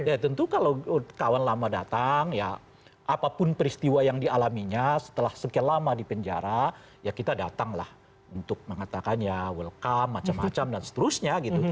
ya tentu kalau kawan lama datang ya apapun peristiwa yang dialaminya setelah sekian lama di penjara ya kita datanglah untuk mengatakan ya welcome macam macam dan seterusnya gitu